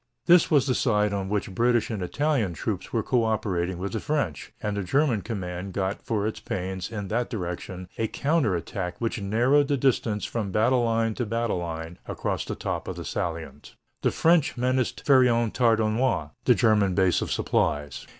This was the side on which British and Italian troops were co operating with the French, and the German command got for its pains in that direction a counter attack which narrowed the distance from battle line to battle line across the top of the salient. The French menaced Fère en Tardenois, the German base of supplies.